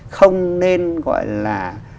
không nên gọi là